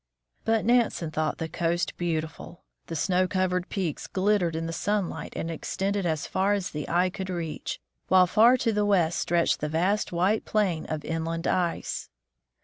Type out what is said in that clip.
But Nansen thought the coast beautiful. The snow covered peaks glittered in the sunlight and extended as far as the eye could reach, while far to the west stretched the vast white plain of inland ice.